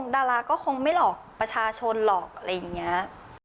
ดาราก็คงไม่หลอกประชาชนหรอกอะไรอย่างนี้